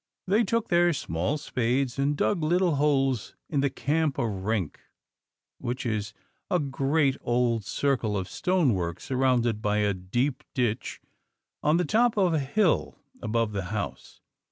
They took their small spades and dug little holes in the Camp of Rink, which is a great old circle of stonework, surrounded by a deep ditch, on the top of a hill above the house.